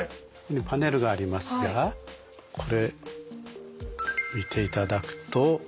パネルがありますがこれ見ていただくと。